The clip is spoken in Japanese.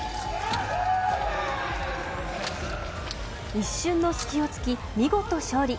一瞬の隙を突き、見事勝利。